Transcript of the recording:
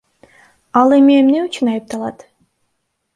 Ал эми эмне үчүн айыпталат?